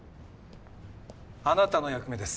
あなたの役目です。